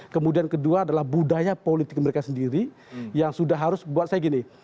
kemudian kedua adalah budaya politik mereka sendiri yang sudah harus buat saya gini